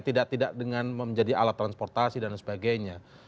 tidak tidak dengan menjadi alat transportasi dan sebagainya